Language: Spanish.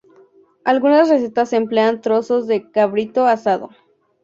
Algunas recetas emplean trozos de cabrito asado.